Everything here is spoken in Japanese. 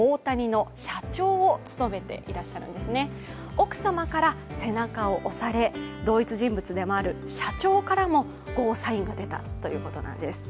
奥様から背中を押され、同一人物である社長からもゴーサインが出たということなんです。